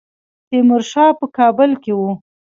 تیمورشاه په کابل کې وو.